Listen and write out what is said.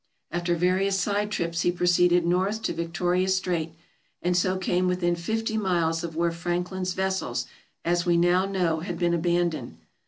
After various side trips he proceeded north to Victoria Strait, and so came within fifty miles of where Franklin's vessels, as we now know, had been abandoned.